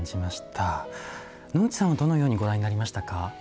野口さんはどのようにご覧になりましたか？